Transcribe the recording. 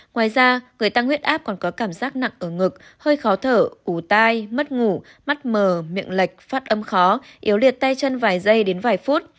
ngoài ra người tăng huyết áp còn có cảm giác nặng ở ngực hơi khó thở ủ tai mất ngủ mắt mờ miệng lệch phát âm khó yếu liệt tay chân vài giây đến vài phút